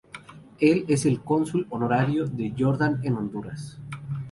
Él es el Cónsul Honorario de Jordan en Honduras.